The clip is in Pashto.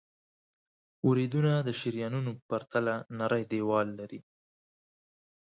وریدونه د شریانونو په پرتله نری دیوال لري.